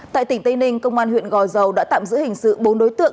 tại tỉnh tây ninh công an huyện gò dầu đã tạm giữ hình sự bốn đối tượng